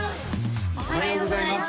おはようございます